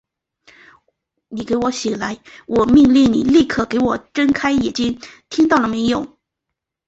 你给我醒来！我命令你立刻给我睁开眼睛，听到了没有！